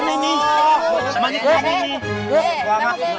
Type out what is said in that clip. anak kecil ini